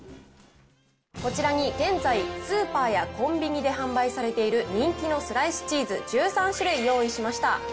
こちらに現在、スーパーやコンビニで販売されている人気のスライスチーズ１３種類、用意しました。